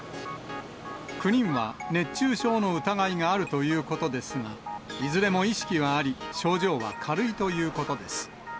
９人は熱中症の疑いがあるということですが、いずれも意識はあり、症状は軽いということです。